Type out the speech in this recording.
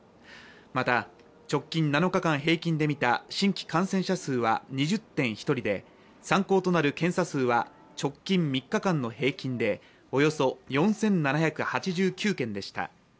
また、直近７日間平均で見た新規感染者数は２０．１人で、参考となる検査数は直近３日間の平均でおよそ４７８９件でした。